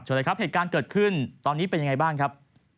เลยครับเหตุการณ์เกิดขึ้นตอนนี้เป็นยังไงบ้างครับ